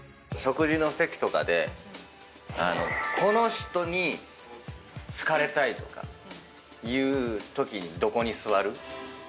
食事の席とかでこの人に好かれたいとかいうときにどこに座る？